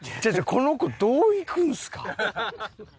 この子どういくんすか？